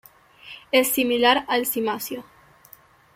Es similar al cimacio.